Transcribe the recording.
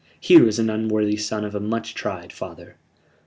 "He is an unworthy son of a much tried father.